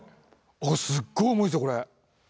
あっすっごい重いですよこれ。